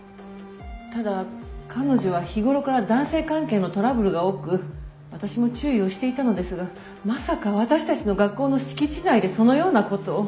ただ彼女は日頃から男性関係のトラブルが多く私も注意をしていたのですがまさか私たちの学校の敷地内でそのようなことを。